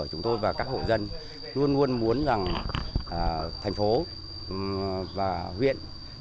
chúng tôi và các hộ dân luôn luôn muốn rằng thành phố và huyện